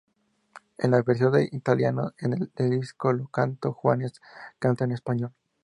En la versión en italiano de el disco "Io Canto" Juanes canta en español.